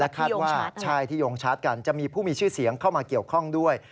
คาดว่าใช่ที่โยงชาร์จกันจะมีผู้มีชื่อเสียงเข้ามาเกี่ยวข้องด้วย